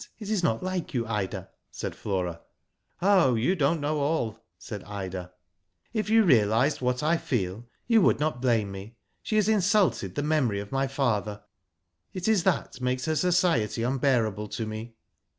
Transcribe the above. It is not like you, Ida," said Flora. ''Oh! you don't know all," said Ida. Digitized byGoogk TPP'O GIRLS. 65 *' If you realised what I feel, you would not blame me. She has insulted the memory of my father. It is that makes her society unbearable to me."